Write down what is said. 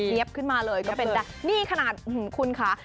เรียบขึ้นมาเลยก็เป็นแต่นี่ขนาดคุณค่ะ